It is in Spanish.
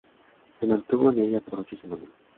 Se mantuvo en ella por ocho semanas.